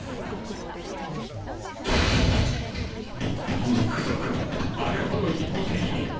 ・ミンク族をあれほど一方的に。